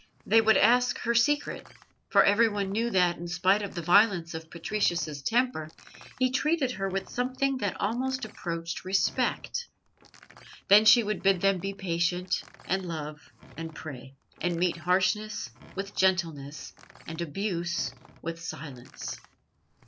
They would ask her secret, for everyone knew that, in spite of the violence of Patricius's temper, he treated her with something that almost approached respect. Then she would bid them be patient, and love and pray, and meet harshness with gentleness, and abuse with silence.